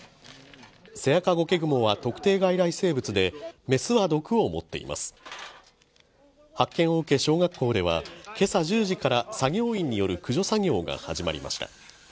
セアカゴケグモは特定外来生物でメスは毒を持っています発見を受け小学校ではけさ１０時から作業員による駆除作業が始まりました